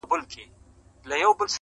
خاوري دي ژوند سه، دا دی ارمان دی.